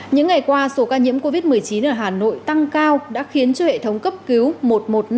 những ngày qua số ca nhiễm covid một mươi chín ở hà nội tăng cao đã khiến cho hệ thống cấp cứu